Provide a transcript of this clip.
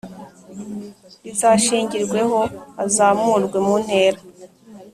rizashingirweho azamurwe mu ntera